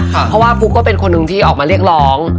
เพราะว่าฟุ๊กก็เป็นคนหนึ่งที่ออกมาเรียกร้อง